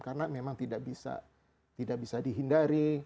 karena memang tidak bisa dihindari